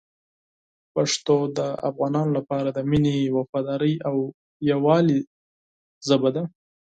پښتو د افغانانو لپاره د مینې، وفادارۍ او یووالي ژبه ده.